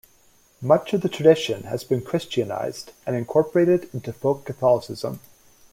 Much of the tradition has been Christianized and incorporated into Folk Catholicism.